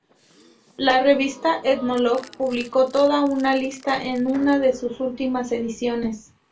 La revista "Ethnologue" publicó toda una lista en una de sus últimas ediciones.